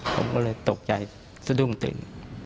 ผมก็เลยตกใจสะดุ้งตื่น